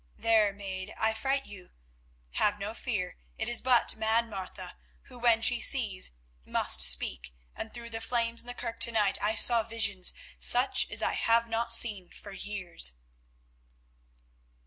There, maid, I fright you. Have no fear, it is but Mad Martha, who, when she sees, must speak, and through the flames in the kirk to night I saw visions such as I have not seen for years."